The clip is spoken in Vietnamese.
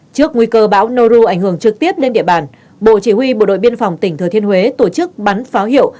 trước nguy cơ bão noru ảnh hưởng trực tiếp lên địa bàn bộ chỉ huy bộ đội biên phòng tỉnh thừa thiên huế tổ chức bắn pháo hiệu